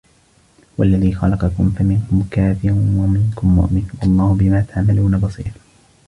هو الذي خلقكم فمنكم كافر ومنكم مؤمن والله بما تعملون بصير